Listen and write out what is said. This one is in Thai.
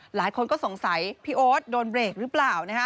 หลายคนก็สงสัยพี่โอ๊ตโดนเบรกหรือเปล่า